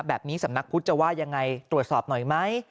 สำนักพุทธจะว่ายังไงตรวจสอบหน่อยไหม